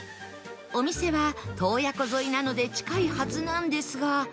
お店は洞爺湖沿いなので近いはずなんですが